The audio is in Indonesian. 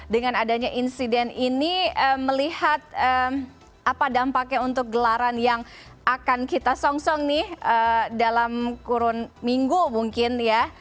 dengan adanya insiden ini melihat apa dampaknya untuk gelaran yang akan kita song song nih dalam kurun minggu mungkin ya